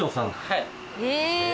はい。